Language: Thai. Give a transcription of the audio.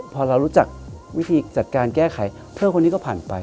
พอเรารู้จักวิธีจัดการแก้ไขเพื่อนคนนี้ก็ผ่านไป